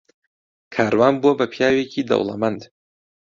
کاروان بووە بە پیاوێکی دەوڵەمەند.